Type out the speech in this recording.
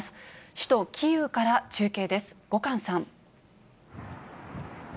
首都キーウから中継です、後閑さん。